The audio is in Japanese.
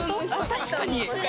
確かに。